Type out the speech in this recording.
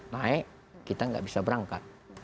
naik kita nggak bisa berangkat